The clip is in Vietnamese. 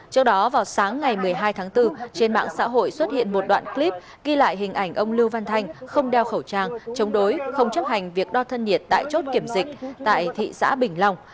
trước đó vào sáng ngày một mươi hai tháng bốn trên mạng xã hội xuất hiện một đoạn clip ghi lại hình ảnh ông lưu văn thanh không đeo khẩu trang chống đối không chấp hành việc đo thân nhiệt tại chốt kiểm dịch tại thị xã bình long